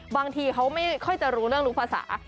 บางทีเขาไม่ค่อยจะรู้เรื่องรู้ภาษา